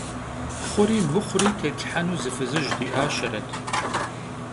Xhuri mıxhuri têtlhhenu zı fızıj di'aşeret.